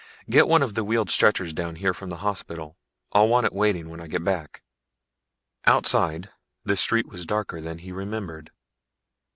Get one of the wheeled stretchers down here from the hospital. I'll want it waiting when I get back." Outside, the street was darker than he remembered.